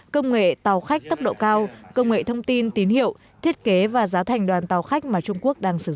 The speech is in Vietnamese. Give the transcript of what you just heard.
công nghệ tàu khách tốc độ cao công nghệ thông tin tín hiệu thiết kế và giá thành đoàn tàu khách mà trung quốc đang sử dụng